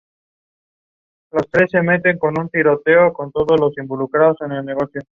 El monumento lo circundaba una reja de forja y fundición.